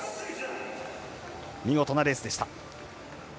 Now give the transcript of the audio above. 見事なレースでした。